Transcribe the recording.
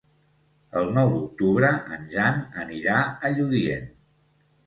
El nou d'octubre en Jan anirà a Lludient.